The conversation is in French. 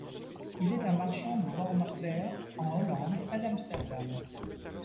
Il est un marchand de Wormerveer, en Hollande, près d'Amsterdam.